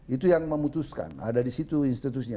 itu yang memutuskan ada di situ institusinya